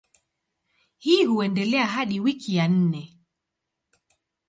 Hii huendelea hadi wiki ya nne.